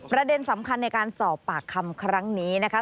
ประเด็นสำคัญในการสอบปากคำครั้งนี้นะคะ